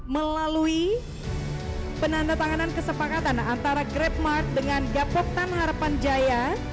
melalui penandatanganan kesepakatan antara grabmark dengan gapoktan harapan jaya